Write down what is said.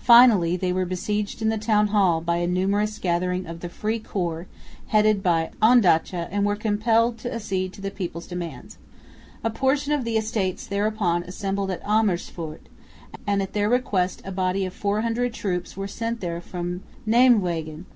Finally they were besieged in the town hall by a numerous gathering of the "free corps" headed by Ondaatje, and were compelled to accede to the people's demands. A portion of the Estates thereupon assembled at Amersfoort; and at their request a body of 400 troops were sent there from Nijmwegen.